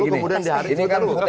lalu kemudian dihariskan ke lu